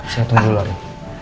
saya tunggu dulu pak